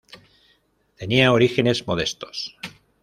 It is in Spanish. Tenía orígenes modestos.